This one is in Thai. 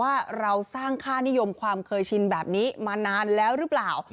ว่าเราสร้างค่านิยมความเคยชินแบบนี้มานานแล้วหรือเปล่า